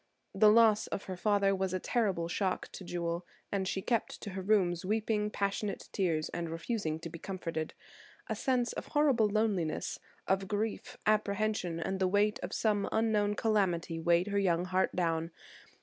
The loss of her father was a terrible shock to Jewel, and she kept to her rooms, weeping passionate tears and refusing to be comforted. A sense of horrible loneliness, of grief, apprehension, and the weight of some unknown calamity weighed her young heart down.